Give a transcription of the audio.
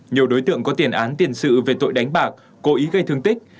nhiều đối tượng có tiền án tiền sự về tội đánh bạc cố ý gây thương tích